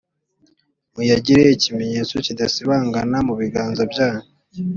muyagire ikimenyetso kidasibangana mu biganza byanyu,